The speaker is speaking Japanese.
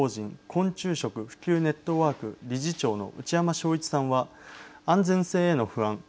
昆虫食普及ネットワーク理事長の内山昭一さんは安全性への不安。